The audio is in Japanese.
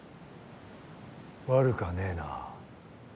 悪かねえな。